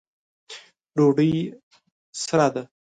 ډوډۍ سره ده